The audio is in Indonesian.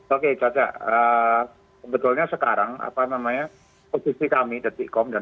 oke tata sebetulnya sekarang posisi kami deketikom dan bersamakomunikasi